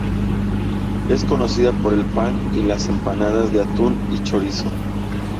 Es conocida por el pan y las empanadas de atún y chorizo.